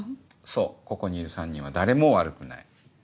そうここにいる３人は誰も悪くない。